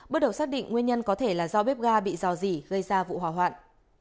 bước đầu xác định nguyên nhân có thể là do bếp ga bị dò dỉ gây ra vụ hỏa hoạn